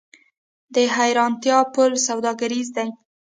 د حیرتان پل سوداګریز دی